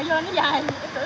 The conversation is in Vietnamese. em tưởng em ngấy